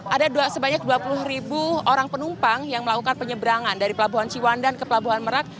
ada sebanyak dua puluh ribu orang penumpang yang melakukan penyeberangan dari pelabuhan ciwandan ke pelabuhan merak